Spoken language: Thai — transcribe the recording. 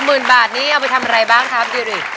หมื่นบาทนี้เอาไปทำอะไรบ้างครับดิริ